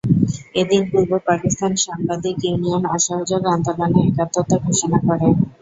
এদিন পূর্ব পাকিস্তান সাংবাদিক ইউনিয়ন অসহযোগ আন্দোলনে একাত্মতা ঘোষণা করে।